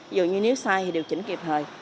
ví dụ như nếu sai thì điều chỉnh kịp thời